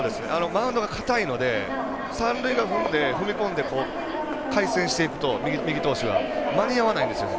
マウンドが硬いので三塁側で踏み込んで対戦していくと間に合わないんですよ。